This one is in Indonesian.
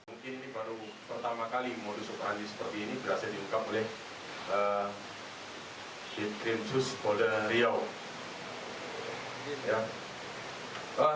uang ini berhasil diungkap oleh jumat sore